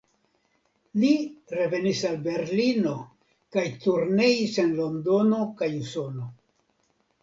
Li revenis al Berlino kaj turneis en Londono kaj Usono.